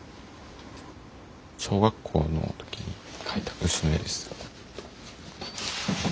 小学校の時に描いた牛の絵です。